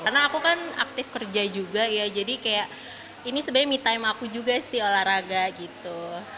karena aku kan aktif kerja juga ya jadi kayak ini sebenarnya me time aku juga sih olahraga gitu